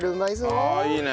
ああいいね！